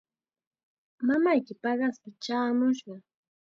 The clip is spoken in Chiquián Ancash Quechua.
Mamayki paqaspa chaamushqa.